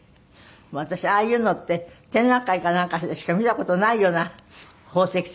私ああいうのって展覧会かなんかでしか見た事ないような宝石着けてらしたんで。